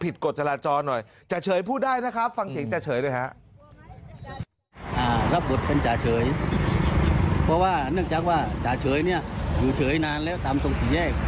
ผิดกฎจราจรหน่อยจ่าเฉยพูดได้นะฟังสิ่งจ่าเฉยนะฮะ